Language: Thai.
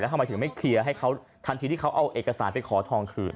ทำไมถึงไม่เคลียร์ให้เขาทันทีที่เขาเอาเอกสารไปขอทองคืน